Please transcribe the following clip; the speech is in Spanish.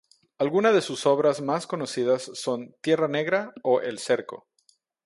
Alguna de sus obras más conocidas son "Tierra Negra" o "El Cerco".